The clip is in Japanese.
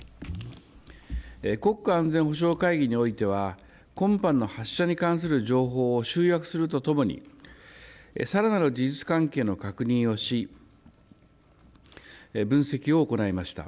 国家安全保障会議においては、今般の発射に関する情報を集約するとともに、さらなる事実関係の確認をし、分析を行いました。